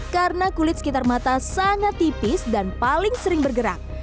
karena kulit sekitar mata sangat tipis dan paling sering bergerak